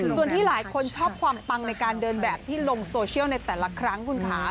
ส่วนที่หลายคนชอบความปังในการเดินแบบที่ลงโซเชียลในแต่ละครั้งคุณคะ